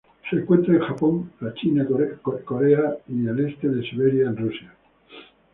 Se encuentra en Japón, China, Corea y el este de Siberia en Rusia.